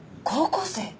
高校生？